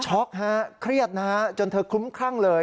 ช็อกครับเครียดนะจนเธอคุ้มครั่งเลย